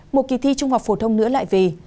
một kỳ thi trung học phổ thông nữa lại về